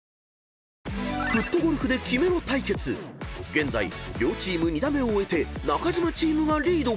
現在両チーム２打目を終えて中島チームがリード］